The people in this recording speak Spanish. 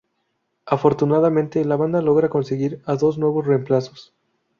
Afortunadamente la banda logra conseguir a los dos nuevos reemplazos.